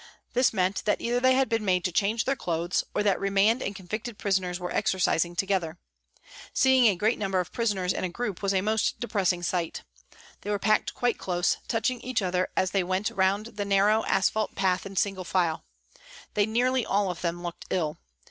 This meant either that they had been made to change their clothes, or that remand and convicted prisoners were exercising together. Seeing a great number of prisoners hi a group was a most depressing sight. They were packed quite close, touching each other as they went round the narrow asphalt path in single file. They nearly all of them looked ill.